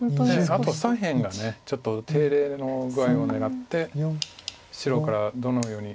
あと左辺がちょっと手入れの具合を狙って白からどのように。